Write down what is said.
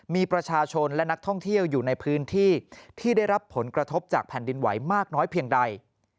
มีประชาชนและนักท่องเที่ยวอยู่ในพื้นที่ที่ได้รับผลกระทบจากแผ่นดินไหวมากน้อยเพียงใด